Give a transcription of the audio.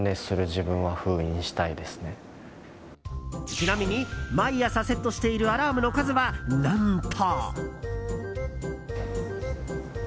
ちなみに毎朝セットしているアラームの数は何と。